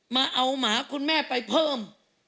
มาเอาหมาคุณแม่ไปเพิ่ม